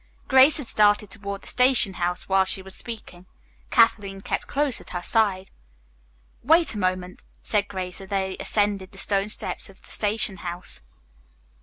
Grace had started toward the station house while she was speaking. Kathleen kept close at her side. "Wait a moment," said Grace, as they ascended the stone steps of the station house.